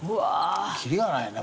きりがないね